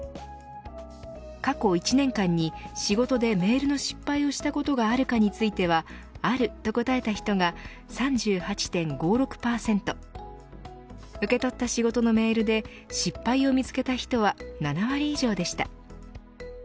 過去１年間に仕事でメールの失敗をしたことがあるかについてはあると答えた人が３８．５６％受け取った仕事のメールで失敗を見つけた人は７割以上でした。